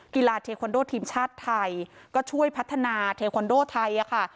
กีฬาเทคอนโดทีมชาติไทยก็ช่วยพัฒนาเทคอนโดไทยค่ะ